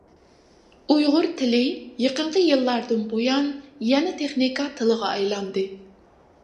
ئۇيغۇر تىلى يېقىنقى يىللاردىن بۇيان يەنە تېخنىكا تىلىغا ئايلاندى.